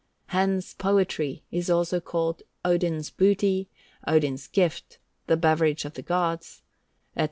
Hence poetry is also called Odin's booty, Odin's gift, the beverage of the gods, &c, &c.